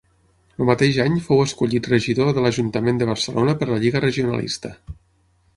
El mateix any fou escollit regidor de l'ajuntament de Barcelona per la Lliga Regionalista.